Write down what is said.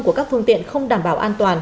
của các phương tiện không đảm bảo an toàn